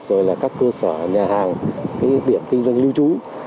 rồi là các cơ sở nhà hàng điểm kinh doanh lưu trú